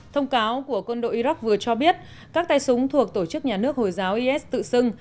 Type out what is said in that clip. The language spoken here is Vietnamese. thông cáo của quân đội iraq vừa cho biết các tay súng thuộc tổ chức nhà nước hồi giáo is tự xưng